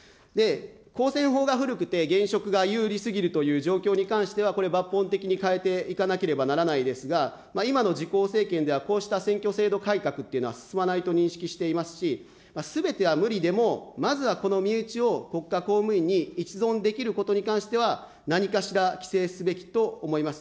公選法が古くて、現職が有利すぎるという状況に関しては、これ、抜本的に変えていかなければならないですが、今の自公政権ではこうした選挙制度改革というのは進まないと認識していますし、すべては無理でも、まずはこの身内を国家公務員に一存できることに関しては、何かしら規制すべきと思います。